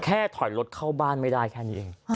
ถอยรถเข้าบ้านไม่ได้แค่นี้เอง